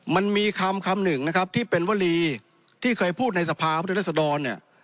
มันมีคำคำหนึ่งนะครับที่เป็นวลีที่เคยพูดในสภาพุทธรัศดรเนี่ย